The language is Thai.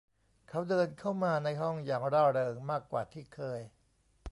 เขาเดินเข้ามาในห้องอย่างร่าเริงมากกว่าที่เคย